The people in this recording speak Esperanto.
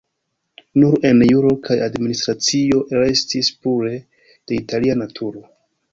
Nur en juro kaj administracio restis pure de Italia naturo.